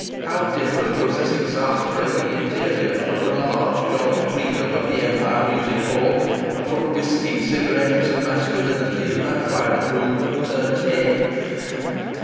How different was this exasperating interior from the large jolly freedom of the Empire Music Hall, and from the whisky, cigarettes and masculinity of that private room at the Turk's Head!